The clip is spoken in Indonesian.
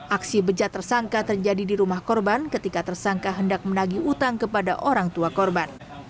aksi bejat tersangka terjadi di rumah korban ketika tersangka hendak menagih utang kepada orang tua korban